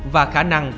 và khả năng